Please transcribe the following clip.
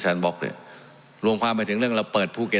สวัสดีสวัสดี